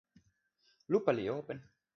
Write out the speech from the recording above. lupa li open.